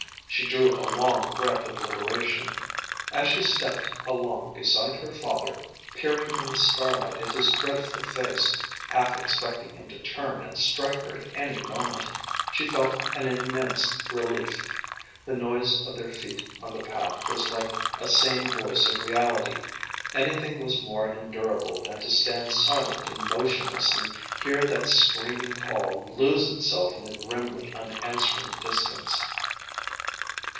She drew a long breath of liberation. As she stepped along beside her father, peering in the starlight at his dreadful face, half expecting him to turn and strike her at any moment, she felt an immense relief. The noise of their feet on the path was like a sane voice of reality. Anything was more endurable than to stand silent and motionless and hear that screaming call lose itself in the grimly unanswering distance.